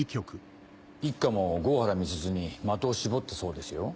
一課も郷原美鈴に的を絞ったそうですよ。